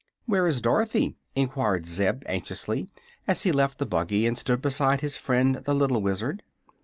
"Where is Dorothy?" enquired Zeb, anxiously, as he left the buggy and stood beside his friend the little Wizard.